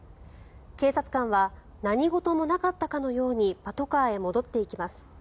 警察官は何事もなかったかのようにパトカーへ戻っていきます。